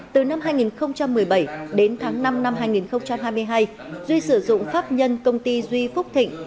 từ năm hai nghìn một mươi bảy đến tháng năm năm hai nghìn hai mươi hai duy sử dụng pháp nhân công ty duy phúc thịnh